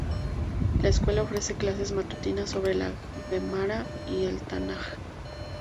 La escuela ofrece clases matutinas sobre la Guemará y el Tanaj.